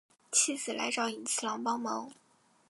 妻子来找寅次郎帮忙。